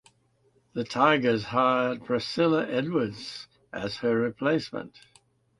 The Tigers hired Priscilla Edwards as her replacement.